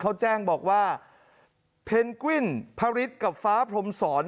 เขาแจ้งบอกว่าเพนกวิ้นพระฤทธิ์กับฟ้าพรมศร